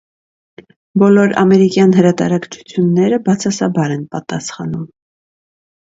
Բոլոր ամերիկյան հրատարակչությունները բացասաբար են պատասխանում։